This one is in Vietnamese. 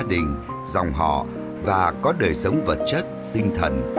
quý vị và các bạn